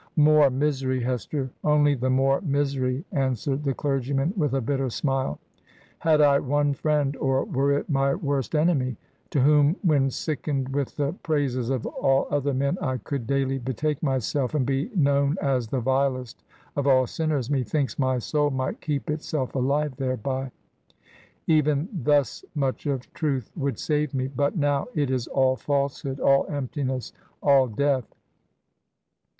'More misery, Hester I — only the more misery I' an swered the clergyman, with a bitter smile. ... 'Had I one friend — or were it my worst enemy — to whom, when sickened with the praises of all other men, I could daily betake myself, and be known as the vilest of all sinners, methinks my soul might keep itself alive there by. Even thus much of truth would save mel But, now, it is all falsehood! — ^all emptiness 1 all death!'